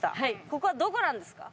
ここはどこなんですか？